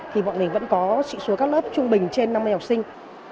thì bọn mình vẫn có sĩ số các lớp trung bình trên năm mươi học sinh